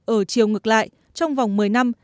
ở chiều ngược lại trong vòng một mươi năm